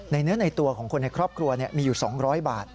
เนื้อในตัวของคนในครอบครัวมีอยู่๒๐๐บาท